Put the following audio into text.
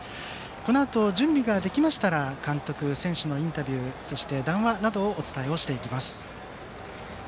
このあと、準備ができましたら監督、選手のインタビュー談話などをお伝えしていきます。